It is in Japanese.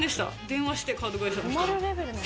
電話してカード会社の人に。